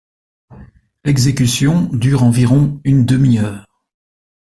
L'exécution dure environ une demi-heure.